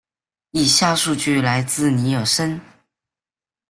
以下数据来自尼尔森。